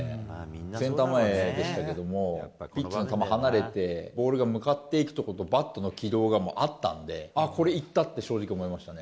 センター前でしたけれども、ピッチャーの球が離れて、ボールが向かっていくのと、バットの軌道があったんで、ああ、これいったって正直思いましたね。